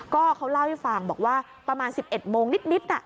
ก็เขาเล่าให้ฟังบอกว่าประมาณ๑๑โมงนิด